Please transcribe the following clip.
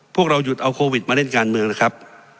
พวกเราหยุดเอาโควิดมาเล่นการเมืองนะครับ